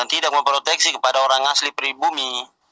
tidak memproteksi kepada orang asli peribumi